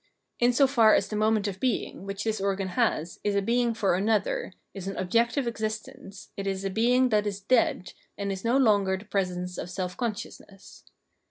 In so far as the moment of being, which this organ has, is a being for another, is an objective existence, it is a being that is dead, and is no longer the presence of self consciousness.